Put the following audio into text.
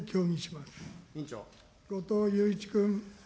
後藤祐一君。